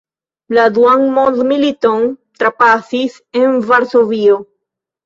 La duan mondmiliton trapasis en Varsovio.